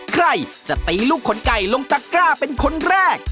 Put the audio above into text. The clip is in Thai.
ใครจะตีลูกขนไก่ลงตะกร้าเป็นคนแรก